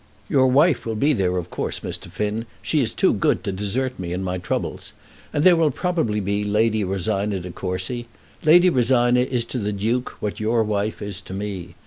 "Your wife will be there, of course, Mr. Finn. She is too good to desert me in my troubles. And there will probably be Lady Rosina De Courcy. Lady Rosina is to the Duke what your wife is to me.